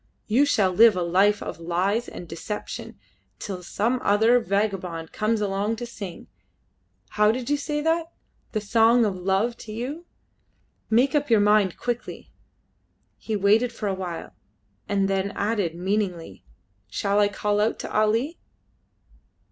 You shall live a life of lies and deception till some other vagabond comes along to sing; how did you say that? The song of love to you! Make up your mind quickly." He waited for a while, and then added meaningly "Shall I call out to Ali?"